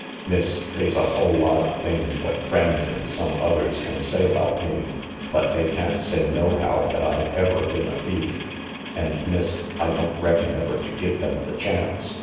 Mass, they's a hull lot of things what friends an' some others can say about me, but they can't say nohow that I've ever been a thief, and, Miss, I don't reckon ever to give them the chance.